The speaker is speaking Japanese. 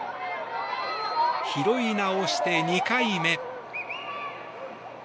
拾い直して、２回目。